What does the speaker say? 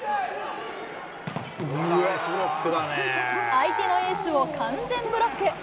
相手のエースを完全ブロック。